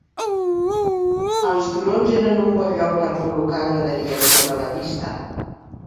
Els turons eren un bon lloc per col·locar graderies sobre la pista.